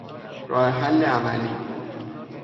راهحل عملی